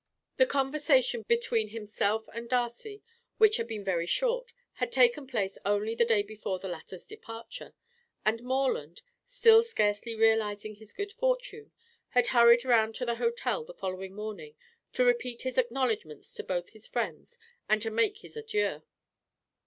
The conversation between himself and Darcy, which had been very short, had taken place only the day before the latter's departure, and Morland, still scarcely realizing his good fortune, had hurried round to the hotel the following morning to repeat his acknowledgments to both his friends and to make his adieux.